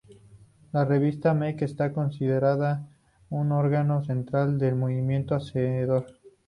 La revista Make está considerada "un órgano central del movimiento hacedor".